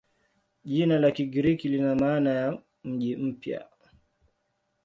Jina la Kigiriki lina maana ya "mji mpya".